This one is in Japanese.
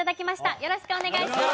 よろしくお願いします